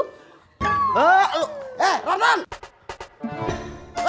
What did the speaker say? kenapa bapak bapak gak setuju yang belinya aja setuju